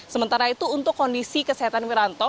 sementara itu untuk kondisi kesehatan wiranto